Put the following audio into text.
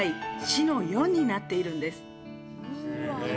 死の４になっているんです。